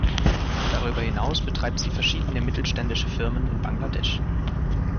Darüber hinaus betreibt sie verschiedene mittelständische Firmen in Bangladesch.